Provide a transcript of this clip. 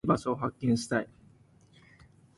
おさきにしつれいします